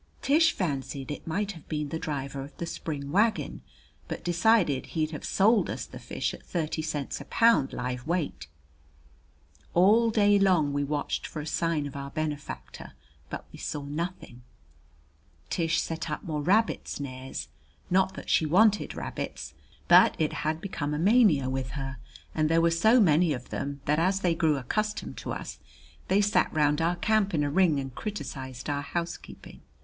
Tish fancied it might have been the driver of the spring wagon, but decided he'd have sold us the fish at thirty cents a pound live weight. All day long we watched for a sign of our benefactor, but we saw nothing. Tish set up more rabbit snares; not that she wanted rabbits, but it had become a mania with her, and there were so many of them that as they grew accustomed to us they sat round our camp in a ring and criticized our housekeeping.